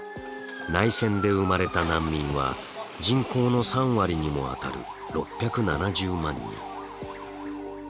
内戦で生まれた難民は人口の３割にもあたる６７０万人。